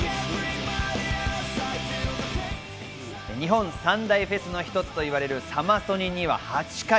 日本三大フェスの一つといわれるサマソニには８回。